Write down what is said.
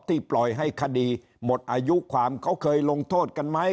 ปล่อยให้คดีหมดอายุความเขาเคยลงโทษกันไหม